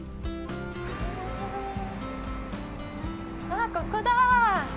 あっ、ここだ。